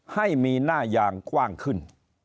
ให้มีหน้ายางกว้างขึ้น